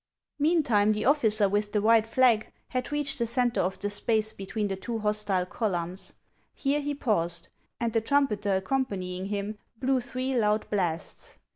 Meantime, the officer with the white flag had reached the centre of the space between the two hostile columns ; here he paused, and the trumpeter accompanying him blew three loud blasts.